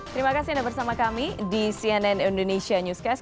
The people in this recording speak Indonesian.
terima kasih anda bersama kami di cnn indonesia newscast